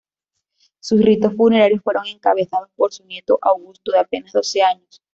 Sus ritos funerarios fueron encabezados por su nieto Augusto, de apenas doce años.